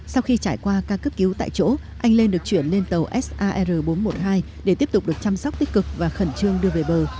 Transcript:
sau khi trải qua ca cấp cứu tại chỗ anh lên được chuyển lên tàu sar bốn trăm một mươi hai để tiếp tục được chăm sóc tích cực và khẩn trương đưa về bờ